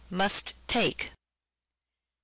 " must Take" (V.